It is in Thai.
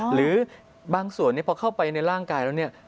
หรือบางส่วนนี้พอเข้าไปในร่างกายแล้ว